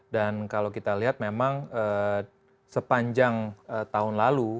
dan kalau kita lihat memang sepanjang tahun lalu